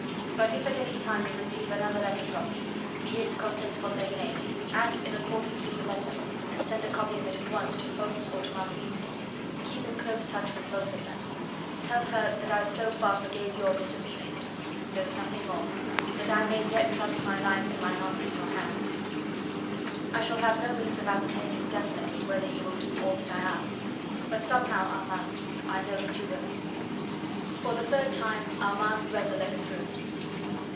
But if at any time you receive another letter from me, be its contents what they may, act in accordance with the letter, and send a copy of it at once to Ffoulkes or to Marguerite. Keep in close touch with them both. Tell her I so far forgave your disobedience (there was nothing more) that I may yet trust my life and mine honour in your hands. I shall have no means of ascertaining definitely whether you will do all that I ask; but somehow, Armand, I know that you will. For the third time Armand read the letter through.